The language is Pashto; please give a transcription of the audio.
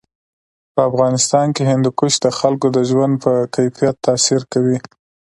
په افغانستان کې هندوکش د خلکو د ژوند په کیفیت تاثیر کوي.